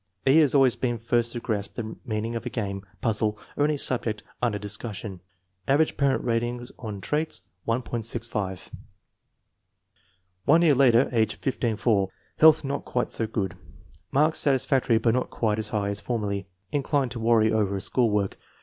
E. has always been first to grasp the meaning of a game, puzzle, or any subject under dis cussion. 9 ' Average parent rating on traits, 1.65. 240 INTELLIGENCE OF SCHOOL CHILDREN One year later, age 15 4. Health not quite so good. Marks satisfactory but not quite as high as formerly. Inclined to worry over her school work.